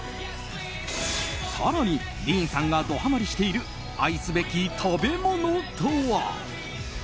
更に、ディーンさんがドハマリしている愛すべき食べ物とは。